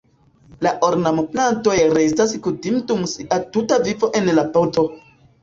La ornamplantoj restas kutime dum sia tuta vivo en la poto.